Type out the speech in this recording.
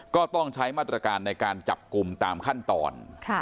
ก็ต้องใช้มาตรการในการจับกลุ่มตามขั้นตอน